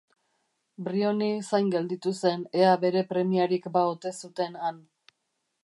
Briony zain gelditu zen ea bere premiarik ba ote zuten han.